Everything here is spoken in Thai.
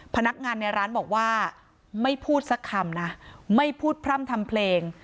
พนักงานในร้านบอกว่าไม่พูดสักคำนะไม่พูดพร่ำทำเพลง